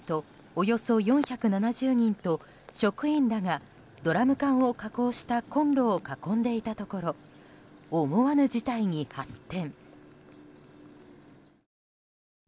およそ４７０人と職員らがドラム缶を加工したコンロを囲んでいたところ思わぬ事態に発展。